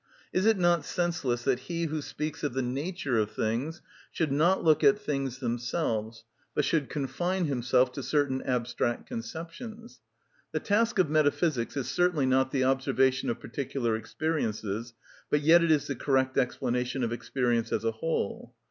Is it not senseless that he who speaks of the nature of things should not look at things themselves, but should confine himself to certain abstract conceptions? The task of metaphysics is certainly not the observation of particular experiences, but yet it is the correct explanation of experience as a whole.